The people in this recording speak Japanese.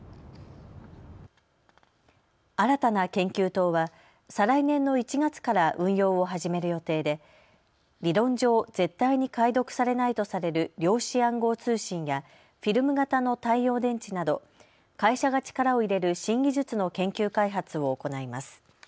新たな研究棟は再来年の１月から運用を始める予定で理論上、絶対に解読されないとされる量子暗号通信やフィルム型の太陽電池など会社が力を入れる新技術の研究開発を行います。